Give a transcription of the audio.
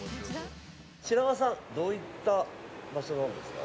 白輪さんどういった場所なんですか？